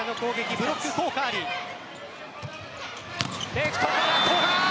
レフトから古賀！